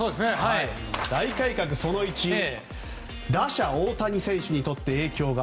その１打者・大谷選手にとって影響が。